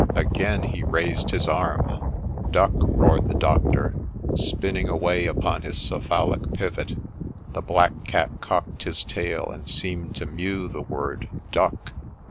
Again he raised his arm. ' Duck !' roared the Doctor, spinning away upon his cephalic pivot : the black cat cocked his tail, and seemed to mew the word ' Duck